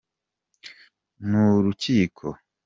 n’urukiko.